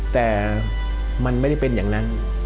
แต่มันไม่ได้เป็นอย่างนั้น